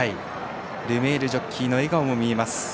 ルメールジョッキーの笑顔も見えます。